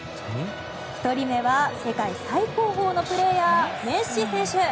１人目は世界最高峰のプレーヤーメッシ選手。